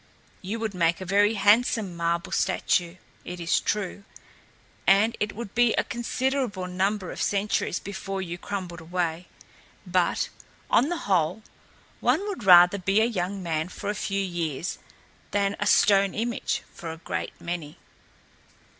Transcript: "You would make a very handsome marble statue, it is true, and it would be a considerable number of centuries before you crumbled away; but, on the whole, one would rather be a young man for a few years than a stone image for a great many."